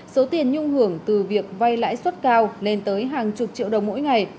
số tiền nhung hưởng từ việc vay lãi suất cao lên tới hàng chục triệu đồng mỗi ngày